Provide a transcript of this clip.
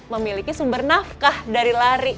memiliki sumber nafkah dari lari